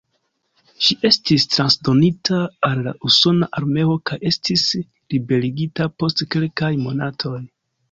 Ŝi estis transdonita al la usona armeo kaj estis liberigita post kelkaj monatoj.